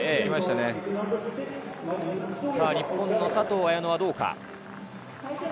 日本の佐藤綾乃はどうか。